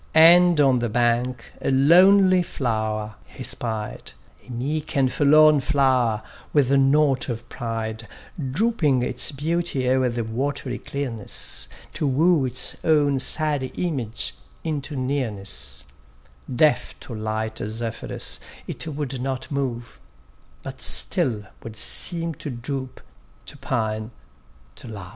And on the bank a lonely flower he spied, A meek and forlorn flower, with naught of pride, Drooping its beauty o'er the watery clearness, To woo its own sad image into nearness: Deaf to light Zephyrus it would not move; But still would seem to droop, to pine, to love.